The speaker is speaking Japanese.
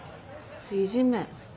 いじめ？